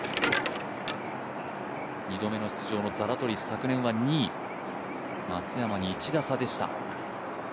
２度目の出場のザラトリス、昨年は２位、松山に１打差でした。